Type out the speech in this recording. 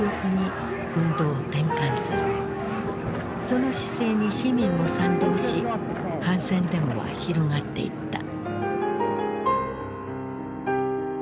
その姿勢に市民も賛同し反戦デモは広がっていった。